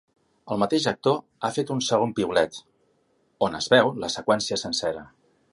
El mateix actor ha fet un segon piulet, on es veu la seqüència sencera.